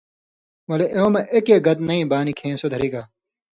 ولے اېوں مہ ایکے گت نئی بانیۡ کھیں سو دھریگا۔